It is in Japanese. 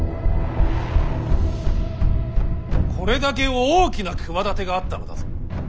これだけ大きな企てがあったのだぞ。